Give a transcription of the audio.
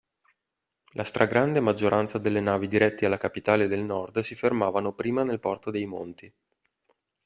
La stragrande maggioranza delle navi dirette alla capitale del nord si fermavano prima nel porto dei Monti.